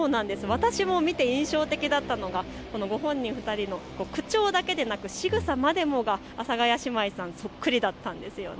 私も見て印象的だったのがご本人２人の口調だけでなくしぐさまでもが阿佐ヶ谷姉妹さん、そっくりだったんですよね。